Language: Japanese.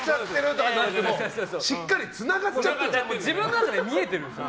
自分の中で見えてるんですよ。